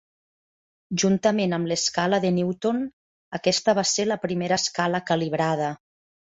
Juntament amb l'escala de Newton, aquesta va ser la primera escala "calibrada".